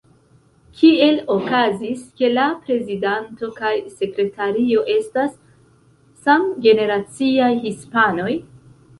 Kiel okazis, ke la prezidanto kaj sekretario estas samgeneraciaj hispanoj?